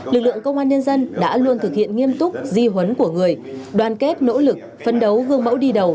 lực lượng công an nhân dân đã luôn thực hiện nghiêm túc di huấn của người đoàn kết nỗ lực phấn đấu gương mẫu đi đầu